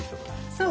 そう。